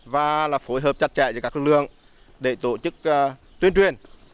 và là phối hợp chặt chẽ cho các lực lượng để tổ chức tuyên truyền